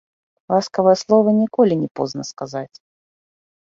Ласкавае слова ніколі не позна сказаць.